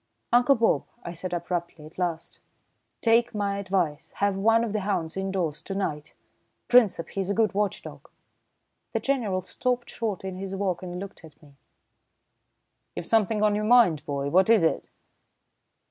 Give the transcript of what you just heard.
"Uncle Bob," I said abruptly at last, "take my advice. Have one of the hounds indoors to night Princep, he's a good watch dog." The General stopped short in his walk and looked at me. "You've something on your mind, boy. What is it?"